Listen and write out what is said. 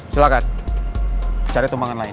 silahkan cari tumpangan lain